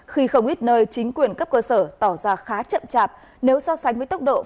khi không ít nơi chính quyền cấp cơ sở tỏ ra khá chậm chạp nếu so sánh với tốc độ